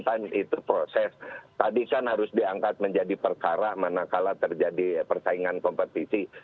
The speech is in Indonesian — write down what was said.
time itu proses tadi kan harus diangkat menjadi perkara manakala terjadi persaingan kompetisi